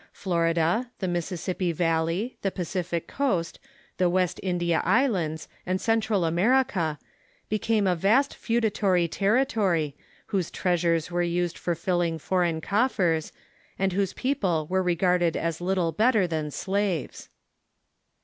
Florida, the Mississippi Valley, the Pacific Coast, the West India Islands, and Central America became a vast feudatory territory, whose treasures were used for filling foreign coffers, and whose people were regarded as little better than slaves.